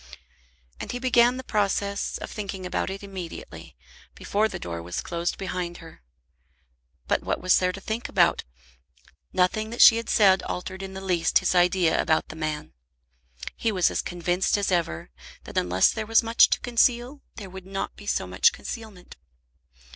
And he began the process of thinking about it immediately, before the door was closed behind her. But what was there to think about? Nothing that she had said altered in the least his idea about the man. He was as convinced as ever that unless there was much to conceal there would not be so much concealment.